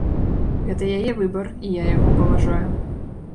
Гэта яе выбар і я яго паважаю.